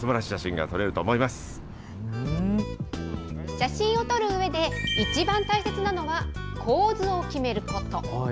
写真を撮るうえで一番大切なのは構図を決めること。